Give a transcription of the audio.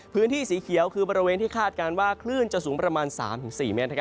พื้นที่สีเขียวคือบริเวณที่คาดการณ์ว่าคลื่นจะสูงประมาณ๓๔เมตร